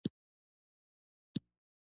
د پیاز غوړي د څه لپاره وکاروم؟